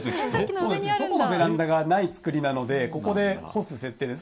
そうですね、外のベランダがない作りなので、ここで干す設定です。